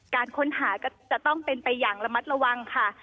การค้นหาก็จะต้องเป็นไปอย่างระมัดระวังค่ะ